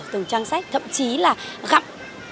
từng trang sách thậm chí là gặm